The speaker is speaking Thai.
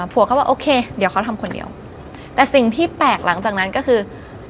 เขาบอกโอเคเดี๋ยวเขาทำคนเดียวแต่สิ่งที่แปลกหลังจากนั้นก็คือ